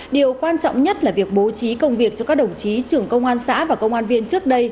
điều quan trọng nhất là việc bố trí công việc cho các đồng chí trưởng công an xã và công an viên trước đây